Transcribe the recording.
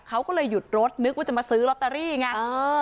เขาก็เลยหยุดรถนึกว่าจะมาซื้อลอตเตอรี่ไง